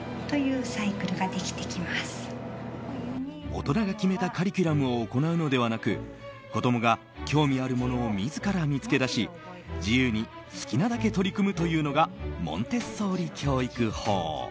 大人が決めたカリキュラムを行うのではなく子供が興味あるものを自ら見つけ出し自由に好きなだけ取り組むというのがモンテッソーリ教育法。